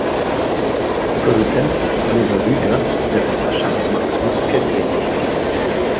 Produzent ist Oliver Rüger der für Sasha und Max Mutzke tätig ist.